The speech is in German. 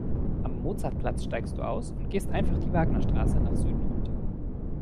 Am Mozartplatz steigst du aus und gehst einfach die Wagnerstraße nach Süden runter.